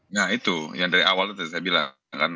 nah itu yang dari awal itu tadi saya bilang